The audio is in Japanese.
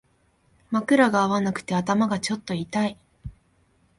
枕が合わなくて頭がちょっと痛い